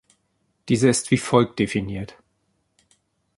Dieser ist wie folgt definiert.